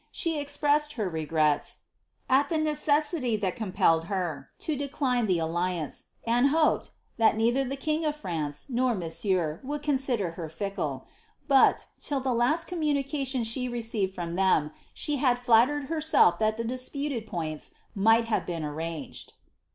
She expresged her regreia "at ihe necessily itiat com pellet! her to i ecline Ihe atUauce, and hoped, ihai neither ihe king ol France " isieur would consider her lickle; but, till the last com munica received from them, site had dailerod huraelT tlial the dispute. might have beea arrsuged.